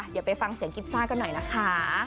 เดี๋ยวไปฟังเสียงกิฟซ่ากันหน่อยนะคะ